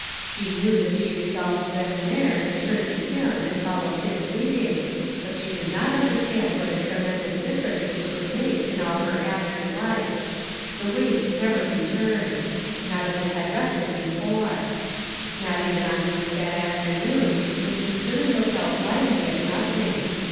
She knew that she resolved then and there to turn to Him and follow his leading, but she did not understand what a tremendous difference this would make in all her after life. The weight never returned ; not as it had rested before ; not even on this sad afternoon, when she stood and looked out blindly at nothing.